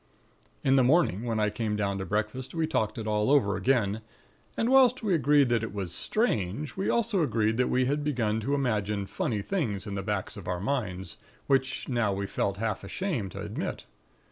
"In the morning, when I came down to breakfast, we talked it all over again, and whilst we agreed that it was strange, we also agreed that we had begun to imagine funny things in the backs of our minds, which now we felt half ashamed to admit.